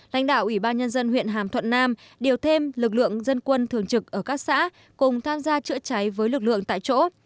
lãnh đạo ủy ban nhân dân huyện hàm thuận nam điều thêm lực lượng dân quân thường trực ở các xã cùng tham gia chữa cháy với lực lượng tại chỗ